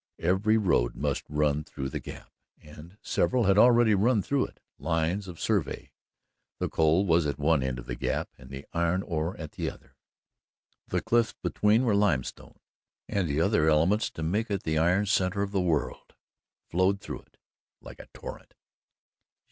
Every road must run through the gap and several had already run through it lines of survey. The coal was at one end of the gap, and the iron ore at the other, the cliffs between were limestone, and the other elements to make it the iron centre of the world flowed through it like a torrent.